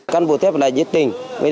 cán bộ thép rất tốt giúp dân rất nhiều